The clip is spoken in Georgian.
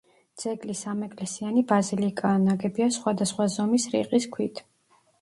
ძეგლი სამეკლესიანი ბაზილიკაა, ნაგებია სხვადასხვა ზომის რიყის ქვით.